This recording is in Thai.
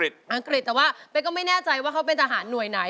อังกฤษแต่ว่าเป๊กก็ไม่แน่ใจว่าเขาเป็นทหารหน่วยไหน